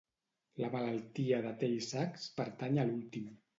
La malaltia de Tay-Sachs pertany a l'últim.